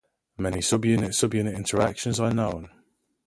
Many subunit-subunit interactions are known.